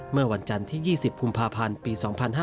เมื่อวันจันทร์ที่๒๐กุมภาพันธ์ปี๒๕๕๙